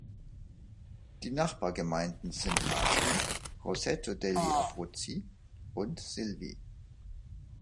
Die Nachbargemeinden sind Atri, Roseto degli Abruzzi und Silvi.